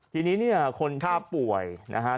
ทีนี้เนี่ยคนที่ป่วยนะฮะ